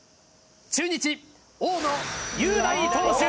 中日。